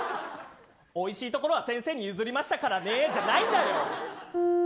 おいしいところは先生に譲りましたからねじゃないんだよ。